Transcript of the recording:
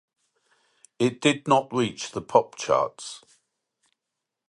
It did not reach the pop charts.